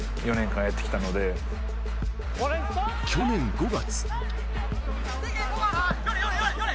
去年５月。